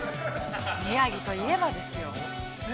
◆宮城といえばですよ。